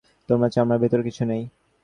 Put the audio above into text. তোমার চামড়ার ভেতর কিছু নেই।